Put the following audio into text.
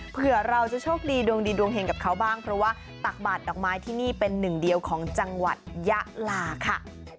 เผื่อเราจะโชคดีดวงดีดวงเห็งกับเขาบ้างเพราะว่าตักบาดดอกไม้ที่นี่เป็นหนึ่งเดียวของจังหวัดยะลาค่ะ